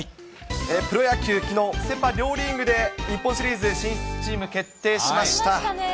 プロ野球、きのう、セ・パ両リーグで日本シリーズ進出チーム決定しました。